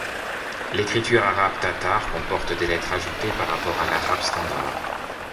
L’écriture arabe tatar comporte des lettres ajoutée par rapport à l'arabe standard.